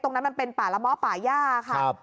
ตรงนั้นมันเป็นป่าละม้อป่าย่าค่ะครับ